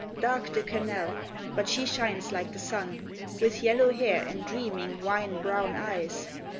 Dark the canal; but she shines like the sun, With yellow hair and dreaming, wine brown eyes.